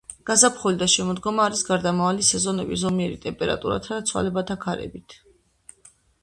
გაზაფხული და შემოდგომა არის გარდამავალი სეზონები ზომიერი ტემპერატურათა და ცვალებადი ქარებით.